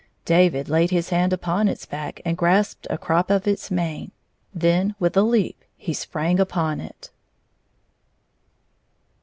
David laid his hand upon its back and grasped a crop of its mane. Then, with a leap, he sprang upon it.